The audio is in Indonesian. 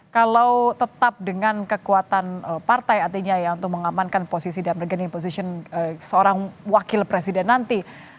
kalau tetap dengan kekuatan partai artinya ya untuk mengamankan posisi dan regaining position seorang wakil presiden nanti